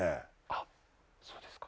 あっそうですか。